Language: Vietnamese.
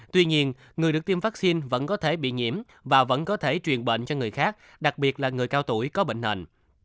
tuy nhiên người được tiêm vaccine vẫn có thể bị nhiễm và vẫn có thể truyền bệnh cho người khác đặc biệt là người cao tuổi có bệnh nền